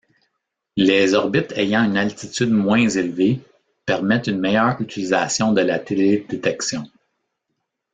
Les orbites ayant une altitude moins élevée permettent une meilleure utilisation de la télédétection.